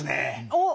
おっ！